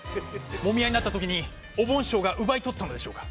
もみ合いになった時におぼん師匠が奪い取ったんでしょうか？